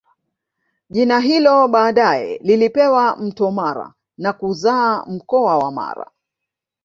Jina hilo baadae lilipewa Mto Mara na kuzaa mkoa wa Mara